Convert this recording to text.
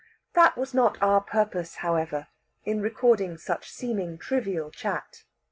That was not our purpose, however, in recording such seeming trivial chat.